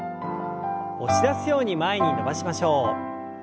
押し出すように前に伸ばしましょう。